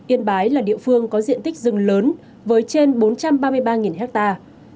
yên bái là địa phương có diện tích rừng lớn với trên bốn trăm ba mươi ba hectare